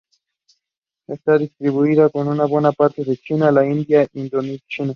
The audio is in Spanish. Está distribuida por buena parte de China, la India e Indochina.